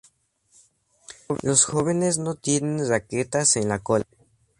Los jóvenes no tienen raquetas en la cola.